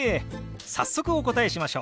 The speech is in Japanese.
早速お答えしましょう。